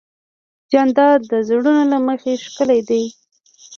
جانداد د زړونو له مخې ښکلی دی.